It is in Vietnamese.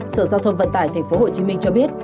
sở giao thông vận tải tp hcm cho biết